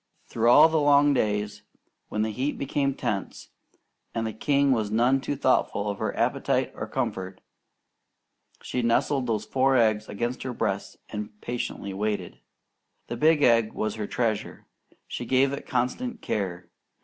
Through all the long days, when the heat became intense, and the king was none too thoughtful of her appetite or comfort, she nestled those four eggs against her breast and patiently waited. The big egg was her treasure. She gave it constant care.